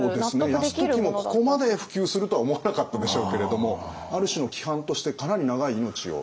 泰時もここまで普及するとは思わなかったでしょうけれどもある種の規範としてかなり長い命を保つことになりますね。